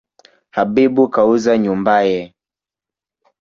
Habib kauza nyumbaye